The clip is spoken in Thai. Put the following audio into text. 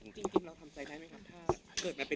มีที่รับพิจารณี